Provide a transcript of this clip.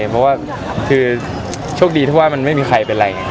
เพราะว่าคือโชคดีที่ว่ามันไม่มีใครเป็นอะไร